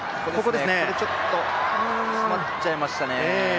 ここでちょっと詰まっちゃいましたね。